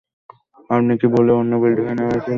আপনি কি ভুলে অন্য বিল্ডিঙে নেমেছিলেন?